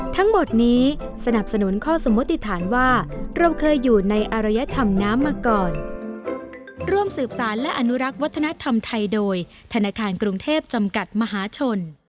ทั้งหมดนี้สนับสนุนข้อสมมติฐานว่าเราเคยอยู่ในอรยธรรมน้ำมาก่อน